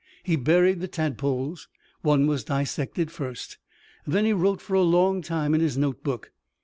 He buried the tadpoles. One was dissected first. Then he wrote for a long time in his notebook.